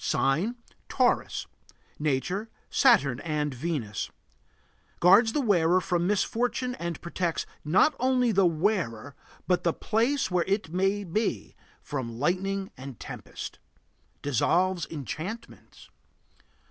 Sign: Taurus. Nature: Saturn and Venus. Guards the wearer from misfortune and protects, not only the wearer but the place where it may be, from lightning and tempest. Dissolves enchantments.